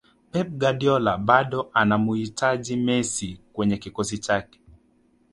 pep guardiola bado anamuhitaji messi kwenye kikosi chake